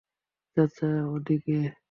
চাচা, ওদিকে।